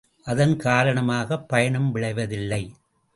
அதன் காரணமாகப் பயனும் விளைவதில்லை.